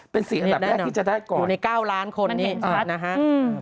เป็น๔อันดับแรกที่จะได้ก่อนมันเห็นสัตว์อยู่ใน๙ล้านคนนะฮะอืม